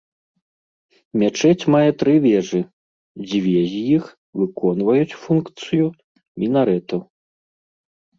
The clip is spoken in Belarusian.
Мячэць мае тры вежы, дзве з іх выконваюць функцыю мінарэтаў.